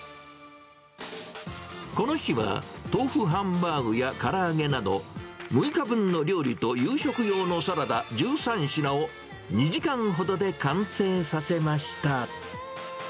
この日は豆腐ハンバーグやから揚げなど、６日分の料理と夕食用のサラダ１３品を２時間ほどで完成させました。